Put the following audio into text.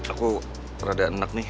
aku terada enak nih